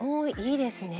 いいですね。